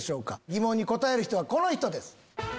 疑問に答える人はこの人です。